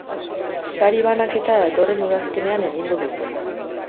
Sari-banaketa datorren udazkenean egingo dute.